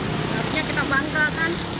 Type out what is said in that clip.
seharusnya kita bangga kan